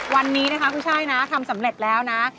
วันนี้นะคะคุณช่ายนะทำสำเร็จแล้วนะ